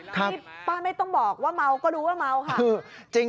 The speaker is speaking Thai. ที่ป้าไม่ต้องบอกว่าเมาก็รู้ว่าเมาค่ะ